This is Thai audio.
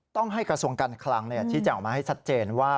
ต้องให้กระสวงการคลังึงหน่อยที่จะออกมาให้สัดเจนว่า